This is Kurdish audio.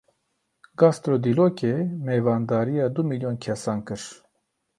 GastroDîlokê mêvandariya du milyon kesan kir.